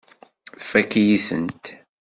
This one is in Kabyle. Tfakk-iyi-tent.